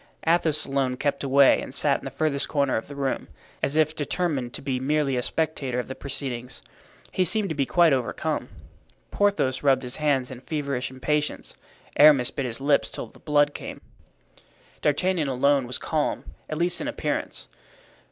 Athos alone kept away and sat in the furthest corner of the room, as if determined to be merely a spectator of the proceedings. He seemed to be quite overcome. Porthos rubbed his hands in feverish impatience. Aramis bit his lips till the blood came. D'Artagnan alone was calm, at least in appearance.